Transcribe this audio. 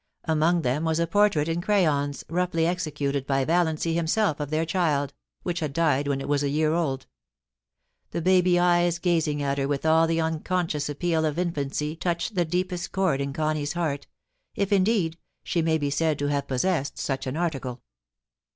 Among them was a portrait in crayons, roughly executed by Valiancy himself of their child, which had died when it was a year old. The baby eyes gazing at her with all the unconscious appeal of infancy 21 322 POUCY AND PASSION. touched the deepest chord in Connie's heart, if, indeed, she may be said to have possessed such an article.